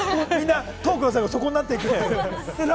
みんなトークの最後がそこになっていく。